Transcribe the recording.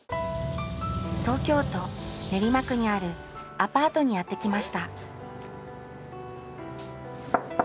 東京都練馬区にあるアパートにやって来ました